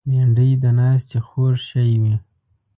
بېنډۍ د ناستې خوږ شی وي